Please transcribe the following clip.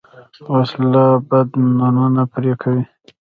وسله بدنونه پرې کوي